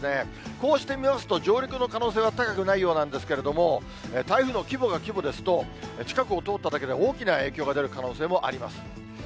こうして見ますと、上陸の可能性は高くないようなんですけれども、台風の規模が規模ですと、近くを通っただけで大きな影響が出る可能性もあります。